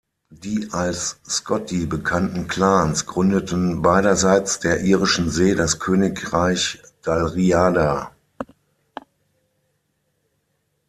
Die als Scotti bekannten Clans gründeten beiderseits der Irischen See das Königreich Dalriada.